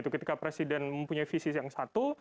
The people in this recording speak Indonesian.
ketika presiden mempunyai visi yang satu